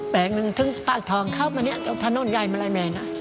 แปลงหนึ่งถึงปากทองเข้ามาเนี่ยตรงถนนใหญ่มาลัยแมน